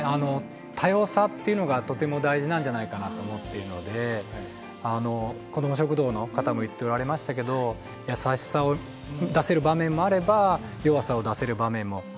多様さっていうのがとても大事なんじゃないかなと思っているのであのこども食堂の方も言っておられましたけど優しさを出せる場面もあれば弱さを出せる場面もあったりですよね。